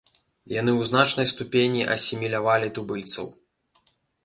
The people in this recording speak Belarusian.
Яны ў значнай ступені асімілявалі тубыльцаў.